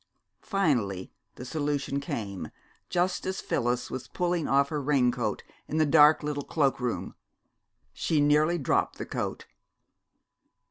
Finally the solution came, just as Phyllis was pulling off her raincoat in the dark little cloak room. She nearly dropped the coat.